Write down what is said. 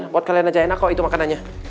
buat kalian aja enak kok itu makanannya